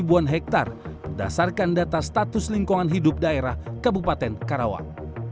berdasarkan data status lingkungan hidup daerah kabupaten karawang